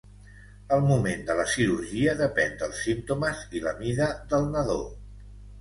El moment de la cirurgia depèn dels símptomes i la mida del nadó.